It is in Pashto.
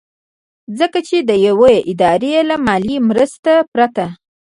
ځکه چې د يوې ادارې له مالي مرستې پرته